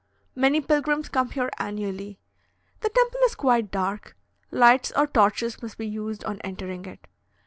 Many pilgrims come here annually. The temple is quite dark; lights or torches must be used on entering it.